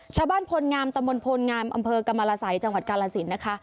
ชาวบ้านโพลงามตำบลโพลงามอำเภอกรรมรสัยจังหวัดกาลสินนะคะ